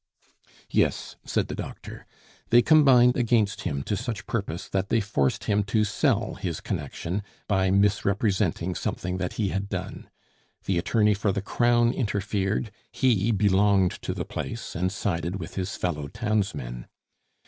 "Yes," said the doctor. "They combined against him to such purpose, that they forced him to sell his connection by misrepresenting something that he had done; the attorney for the crown interfered, he belonged to the place, and sided with his fellow townsmen.